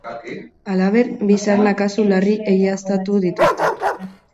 Halaber, bi sarna kasu larri egiaztatu dituzte.